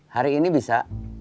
hari ini bisa